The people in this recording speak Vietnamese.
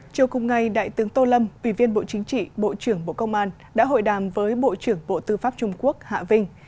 chiều cùng ngày đại tướng tô lâm ủy viên bộ chính trị bộ trưởng bộ công an đã hội đàm với bộ trưởng bộ tư pháp trung quốc hạ vinh